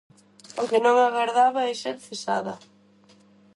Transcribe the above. O que non agardaba é ser cesada.